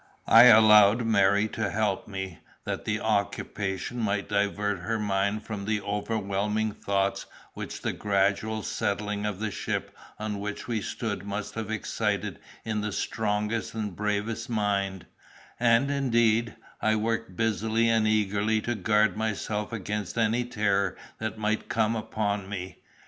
I allowed Mary to help me, that the occupation might divert her mind from the overwhelming thoughts which the gradual settling of the ship on which we stood must have excited in the strongest and bravest mind; and, indeed, I worked busily and eagerly to guard myself against any terror that might come upon me.